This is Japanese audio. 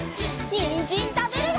にんじんたべるよ！